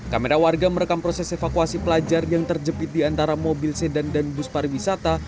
kamera warga merekam proses evakuasi pelajar yang terjepit di antara mobil sedan dan bus pariwisata